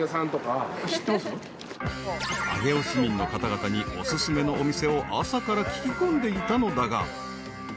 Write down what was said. ［上尾市民の方々にお薦めのお店を朝から聞き込んでいたのだが］